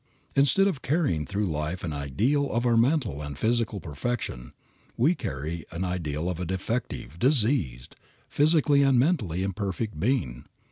Instead of carrying through life an ideal of our mental and physical perfection, we carry an ideal of a defective, diseased, physically and mentally imperfect, being.